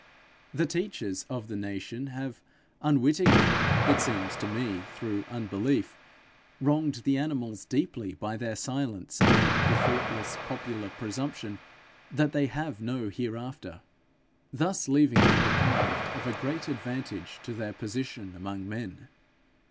The teachers of the nation have unwittingly, it seems to me through unbelief, wronged the animals deeply by their silence anent the thoughtless popular presumption that they have no hereafter; thus leaving them deprived of a great advantage to their position among men.